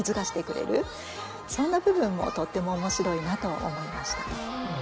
そんな部分もとっても面白いなと思いました。